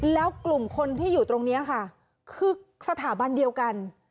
แล้วกลุ่มคนที่อยู่ตรงนี้ค่ะคือสถาบันเดียวกัน